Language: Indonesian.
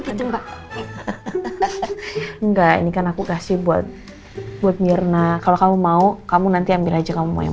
gitu mbak enggak ini kan aku kasih buat buat mirna kalau kamu mau kamu nanti ambil aja kamu yang